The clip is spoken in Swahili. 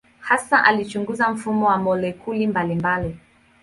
Hasa alichunguza mfumo wa molekuli mbalimbali.